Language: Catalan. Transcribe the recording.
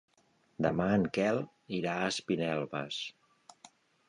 Demà en Quel irà a Espinelves.